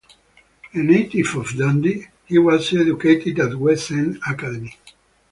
A native of Dundee, he was educated at West End Academy.